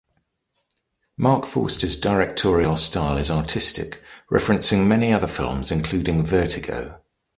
Marc Forster's directorial style is artistic, referencing many other films including "Vertigo".